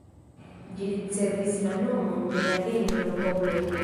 Ĝi ricevis la nomon de la genro Poploj.